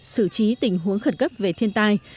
xử trí tình huống khẩn cấp về thiên tai